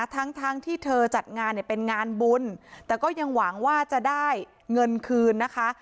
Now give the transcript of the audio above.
ทั้งทั้งที่เธอจัดงานเนี่ยเป็นงานบุญแต่ก็ยังหวังว่าจะได้เงินคืนนะคะ